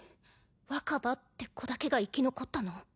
若葉って子だけが生き残ったの？